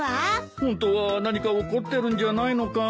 本当は何か怒ってるんじゃないのかい？